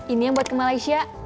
ini yang buat ke malaysia